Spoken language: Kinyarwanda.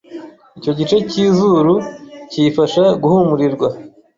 Icyo gice k’izuru kiyifasha guhumurirwa